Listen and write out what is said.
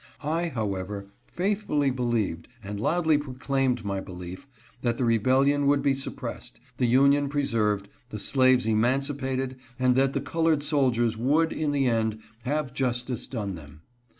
I, however, faithfully believed, and loudly pro claimed my belief, that the rebellion would be suppressed, the Union preserved, the slaves emancipated and that the colored soldiers would in the end have justice done them.